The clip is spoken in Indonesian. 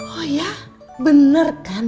oh ya bener kan